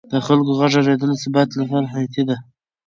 د خلکو غږ اورېدل د ثبات لپاره حیاتي دی